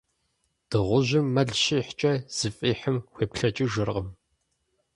Дыгъужьым мэл щихькӏэ, зыфӏихьым хуеплӏэкӏыжыркъым.